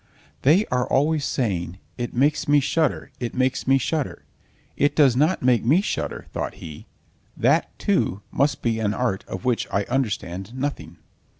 "They are always saying: 'It makes me shudder, it makes me shudder!' It does not make me shudder," thought he. "That, too, must be an art of which I understand nothing!"